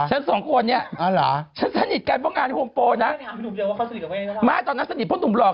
สองคนเนี่ยฉันสนิทกันเพราะงานโฮมโฟนะไม่ตอนนั้นสนิทเพราะหนุ่มหลอก